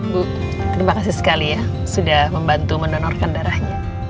bu terima kasih sekali ya sudah membantu mendonorkan darahnya